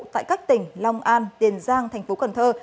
tại các tỉnh long an tiền giang tp cần thơ